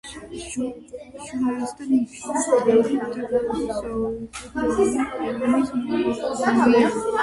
ჟურნალისტად მუშაობის დროს, ოლქის მრავალი რაიონი მოიარა.